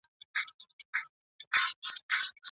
لومړی اشاره، دوهم وصف او درېيم نيت.